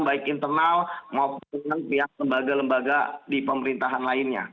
baik internal maupun dengan pihak lembaga lembaga di pemerintahan lainnya